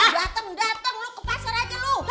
dateng dateng lo ke pasar aja lo